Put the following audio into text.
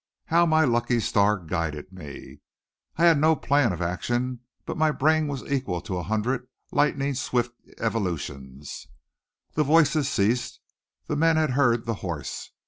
How my lucky star guided me! I had no plan of action, but my brain was equal to a hundred lightning swift evolutions. The voices ceased. The men had heard the horse.